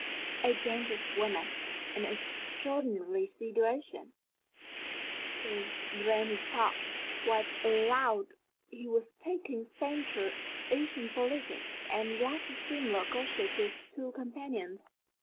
"A dangerous woman, and an extraordinary situation," so ran his thought, while aloud he was talking Central Asian politics and the latest Simla gossip to his two companions.